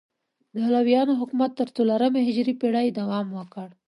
د علویانو حکومت تر څلورمې هجري پیړۍ دوام وکړ.